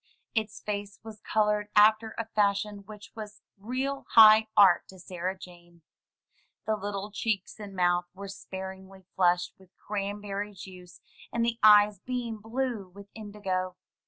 Its face was colored after a fashion which was real high art to Sarah Jane. The little cheeks and mouth were sparingly flushed with cranberry juice, and the eyes beamed blue with indigo.